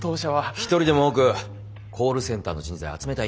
１人でも多くコールセンターの人材を集めたいんだよ。